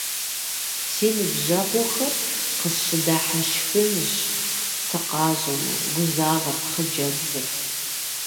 Си ныбжьэгъухэр къысщыдыхьэшхынщ, сыкъащӀэмэ, - гузавэрт хъыджэбзыр.